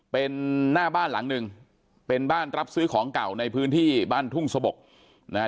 เป็นหน้าบ้านหลังหนึ่งเป็นบ้านรับซื้อของเก่าในพื้นที่บ้านทุ่งสะบกนะฮะ